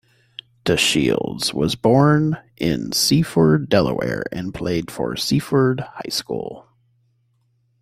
DeShields was born in Seaford, Delaware and played for Seaford High School.